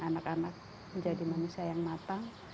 anak anak menjadi manusia yang matang